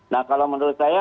nah kalau menurut saya